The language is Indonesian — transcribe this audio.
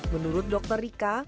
menurut dr rika